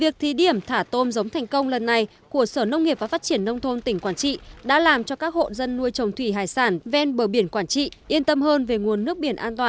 việc thí điểm thả tôm giống thành công lần này của sở nông nghiệp và phát triển nông thôn tỉnh quảng trị đã làm cho các hộ dân nuôi trồng thủy hải sản ven bờ biển quảng trị yên tâm hơn về nguồn nước biển an toàn